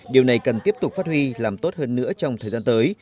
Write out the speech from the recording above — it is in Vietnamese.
điều này cần tiếp tục phát huy làm tốt hơn nữa trong thời gian tới